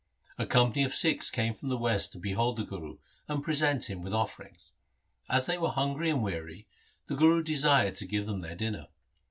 A company of Sikhs came from the West to behold the Guru, and present him with offerings. As they were hungry and weary, the Guru desired to give them their dinner.